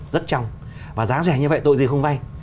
rất trong và giá rẻ như vậy tội gì không vay